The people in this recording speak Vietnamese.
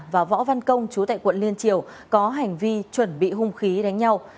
và võ văn công chú tại quận liên triều có hành vi chuẩn bị hung khí đánh nhau